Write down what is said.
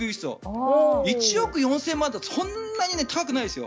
１億４０００万円だったらそんなに高くないですよ。